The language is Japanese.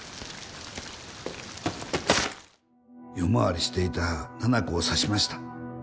夜回りしていた七菜子を刺しました。